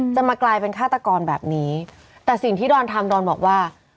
จะมากลายเป็นฆาตกรแบบนี้แต่สิ่งที่ดอนทำดอนบอกว่า